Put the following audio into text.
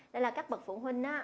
đây là các bậc phụ huynh á